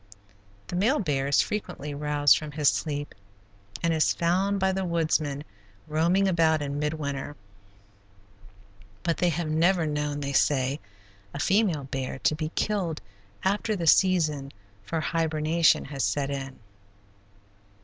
The male bear is frequently roused from his sleep and is found by the woodsman roaming about in mid winter, but they have never known, they say, a female bear to be killed after the season for hibernation has set in.